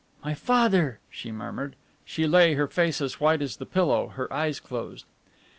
"My father!" she murmured. She lay, her face as white as the pillow, her eyes closed.